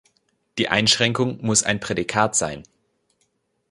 Die Einschränkung muss ein Prädikat sein.